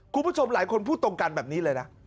คุณผู้ชมหลายคนพูดตรงกันแบบนี้เลยนะ